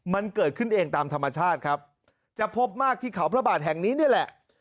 มันเกิดขึ้นเองตามธรรมชาติครับจะพบมากที่เขาพระบาทแห่งนี้นี่แหละ